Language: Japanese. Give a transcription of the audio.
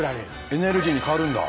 エネルギーに変わるんだ！